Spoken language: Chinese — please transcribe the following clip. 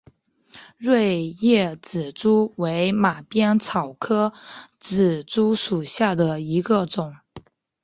锐叶紫珠为马鞭草科紫珠属下的一个种。